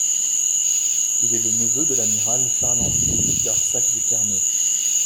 Il est le neveu de l'amiral Charles-Henri-Louis d'Arsac de Ternay.